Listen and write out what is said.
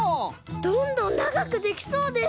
どんどんながくできそうです。